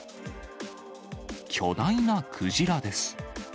巨大なクジラです。